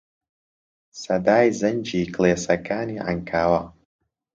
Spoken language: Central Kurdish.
سەدای زەنگی کڵێسەکانی عەنکاوە